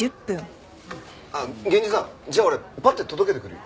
源治さんじゃあ俺パッて届けてくるよ。